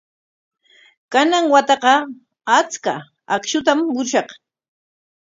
Kanan wataqa achka akshutam murushaq.